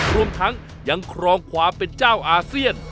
รวมทั้งยังครองความเป็นเจ้าอาเซียน